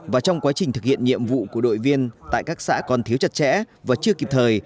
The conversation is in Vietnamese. và trong quá trình thực hiện nhiệm vụ của đội viên tại các xã còn thiếu chặt chẽ và chưa kịp thời